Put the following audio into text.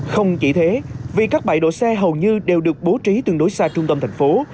không chỉ thế vì các bãi đổ xe hầu như đều được bố trí tương đối xa trung tâm thành phố